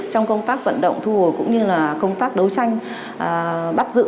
trong công tác vận động thu hồi cũng như là công tác đấu tranh bắt giữ